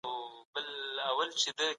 اورېدل له بې پروايۍ ښه دي.